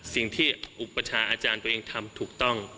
อุปชาอาจารย์ตัวเองทำถูกต้อง